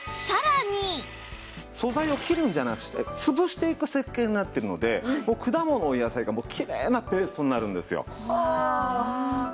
素材を切るんじゃなくて潰していく設計になってるので果物や野菜がきれいなペーストになるんですよ。